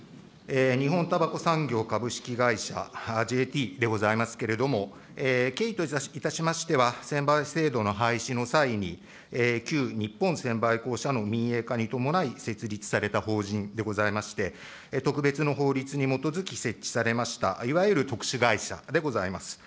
日本たばこ産業株式会社・ＪＴでございますけれども、経緯といたしましては、専売制度の廃止の際に、旧日本専売公社の民営化に伴い設立された法人でございまして、特別の法律に基づき設置されました、いわゆる特殊会社でございます。